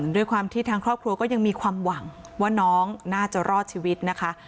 ด้วยความที่ทางครอบครัวก็ยังมีความหวังว่าน้องน่าจะรอดชีวิตนะคะ